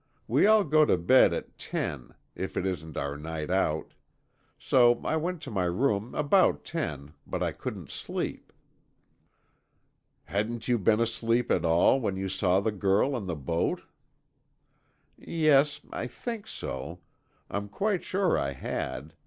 We all go to bed at ten, if it isn't our night out. So I went to my room about ten, but I couldn't sleep." "Hadn't you been asleep at all, when you saw the girl and the boat?" "Yes, I think so. I'm quite sure I had.